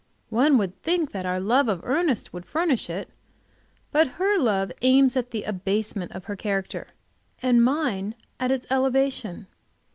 One would think that our love to Ernest would furnish it. But her love aims at the abasement of his character and mine at its elevation.